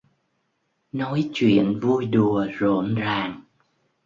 Nói chuyện vui đùa rộn ràng